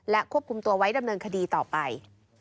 ควบคุมตัวไว้ดำเนินคดีต่อไป